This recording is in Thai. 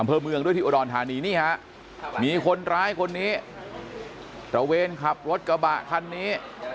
อำเภอเมืองด้วยที่อุดรธานีนี่ฮะมีคนร้ายคนนี้ตระเวนขับรถกระบะคันนี้